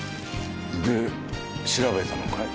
で調べたのかい？